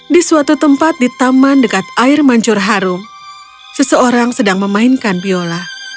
di suatu tempat di taman dekat air mancur harum seseorang sedang memainkan biola